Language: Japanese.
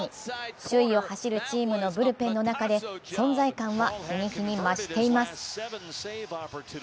首位を走るチームのブルペンの中で存在感は日に日に増しています。